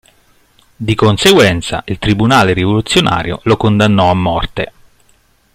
Di conseguenza, il Tribunale rivoluzionario lo condannò a morte.